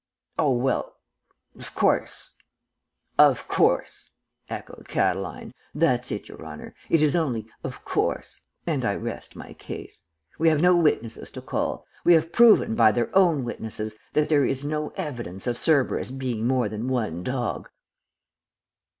"'Oh, well of course ' "'Of course,' echoed Catiline. 'That's it, your honor; it is only "of course," and I rest my case. We have no witnesses to call. We have proven by their own witnesses that there is no evidence of Cerberus being more than one dog.'